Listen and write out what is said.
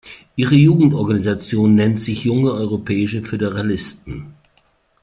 Ihre Jugendorganisation nennt sich Junge Europäische Föderalisten.